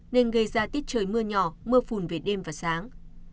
nên gây ra tiết trời mưa nhỏ mưa phùn về đêm và sáng